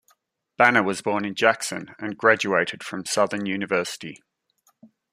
Banner was born in Jackson and graduated from Southern University.